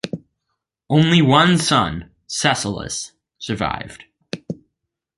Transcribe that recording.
Only one son, Thessalus, survived.